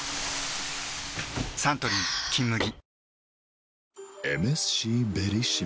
サントリー「金麦」